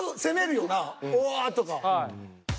おおっ！とか。